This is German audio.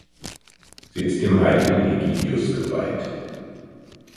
Sie ist dem heiligen Ägidius geweiht.